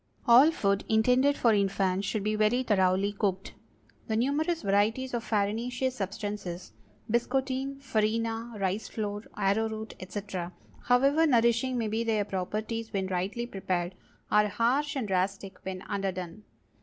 All food intended for infants should be very thoroughly cooked. The numerous varieties of farinaceous substances—biscotine, farina, rice flour, arrowroot, etc., however nourishing may be their properties when rightly prepared, are harsh and drastic when underdone.